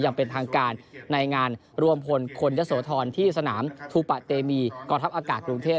อย่างเป็นทางการในงานรวมพลคนยะโสธรที่สนามทูปะเตมีกองทัพอากาศกรุงเทพ